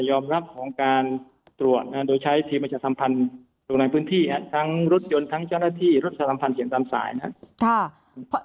รับของการตรวจโดยใช้ทีมประชาสัมพันธ์ลงในพื้นที่ทั้งรถยนต์ทั้งเจ้าหน้าที่รถสัมพันธ์เขียนตามสายนะครับ